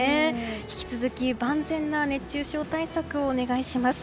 引き続き万全な熱中症対策をお願いします。